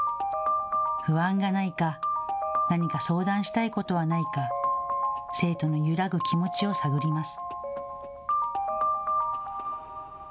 不安がないか何か相談したいことはないか生徒の揺らぐ気持ちを探ります。